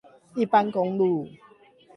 一般公路